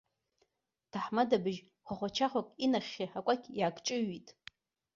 Ҭаҳмада быжь хәахәачахәак инахьхьи акәакь иаагҿыҩит.